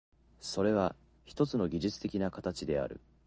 それはひとつの技術的な形である。